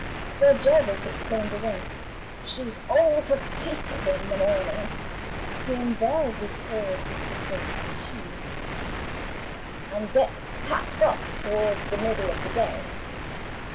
Sir Jervis explained again: 'She's all to pieces in the morning' (he invariably called his sister 'She'); 'and gets patched up toward the middle of the day.